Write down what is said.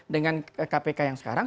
dengan kpk yang sekarang